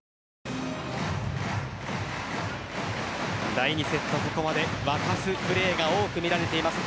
第２セット、ここまで沸かすプレーが多く見られています。